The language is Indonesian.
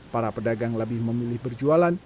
para pedagang lebih memilih berjualan